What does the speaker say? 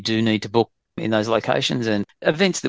dan acara yang biasanya